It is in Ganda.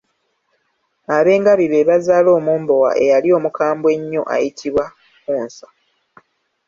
Ab'engabi be bazaala omumbowa eyali omukambwe ennyo ayitibwa Kkunsa.